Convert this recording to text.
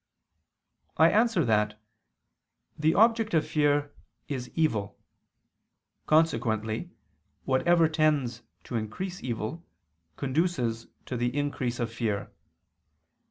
I answer that, The object of fear is evil: consequently whatever tends to increase evil, conduces to the increase of fear.